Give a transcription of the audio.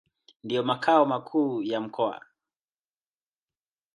Ndio makao makuu ya mkoa.